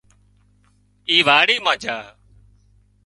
اي واڙِي مان جھا